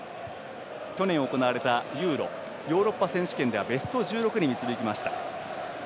去年行われたＥＵＲＯ＝ヨーロッパ選手権ではベスト１６に導きました。